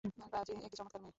গ্রাজি একটা চমৎকার মেয়ে।